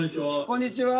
こんにちは。